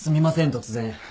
突然。